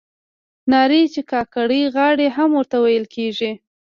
نارې چې کاکړۍ غاړې هم ورته ویل کیږي.